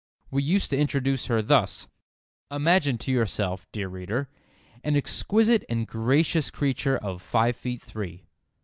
We used to introduce her thus: "Imagine to yourself, dear reader, an exquisite and gracious creature of five feet three.